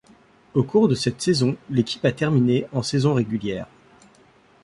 Au cours de cette saison, l'équipe a terminé en saison régulière.